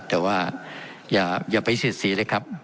แต่ว่าอย่าไปเสียดสีเลยครับ